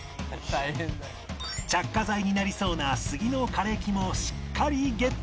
着火剤になりそうなスギの枯れ木もしっかりゲット